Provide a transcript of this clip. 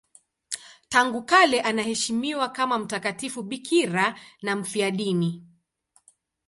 Tangu kale anaheshimiwa kama mtakatifu bikira na mfiadini.